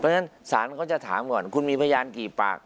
เพราะฉะนั้นศาลเขาจะถามก่อนคุณมีพยานกี่ปาก